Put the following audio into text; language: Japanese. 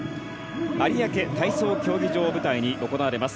有明体操競技場を舞台に行われます。